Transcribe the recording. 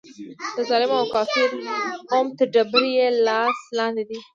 د ظلم او کافر قوم تر ډبره یې لاس لاندې دی.